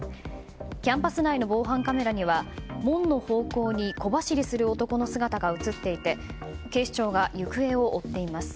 キャンパス内の防犯カメラには門の方向に小走りする男の姿が映っていて警視庁が行方を追っています。